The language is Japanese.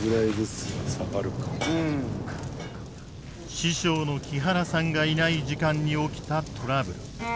師匠の木原さんがいない時間に起きたトラブル。